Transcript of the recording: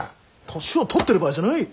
年を取ってる場合じゃない。